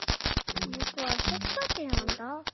ぼくはせっかちなんだ。